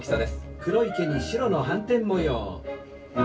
黒い毛に白の斑点模様。